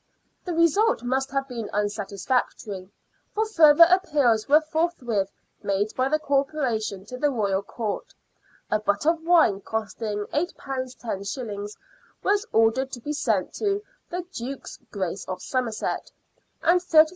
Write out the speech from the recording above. The result must have been unsatisfactory, for further appeals were forthwith made by the Corporation to the Royal Court. A butt of wine, costing £8 los., was ordered to be sent to " the Duke's grace of Somerset," and 33s.